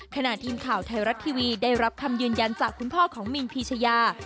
ทีมข่าวไทยรัฐทีวีได้รับคำยืนยันจากคุณพ่อของมินพีชยา